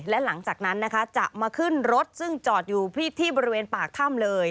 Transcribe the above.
และหลังจากนั้นนะคะจะมาขึ้นรถซึ่งจอดอยู่ที่บริเวณปากถ้ำเลย